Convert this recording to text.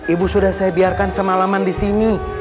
ibu sudah saya biarkan semalaman disini